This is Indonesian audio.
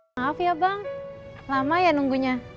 maaf ya bang lama ya nunggunya